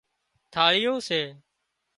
ٿاۯيون سي